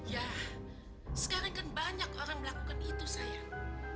ya sekarang kan banyak orang melakukan itu sayang